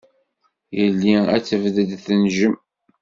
Yelli ad tebded tenjem.